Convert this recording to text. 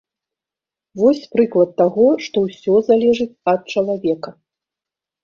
Вось прыклад таго, што ўсё залежыць ад чалавека.